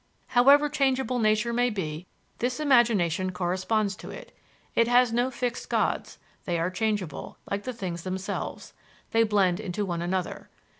However changeable nature may be, this imagination corresponds to it. It has no fixed gods; they are changeable like the things themselves; they blend one into another.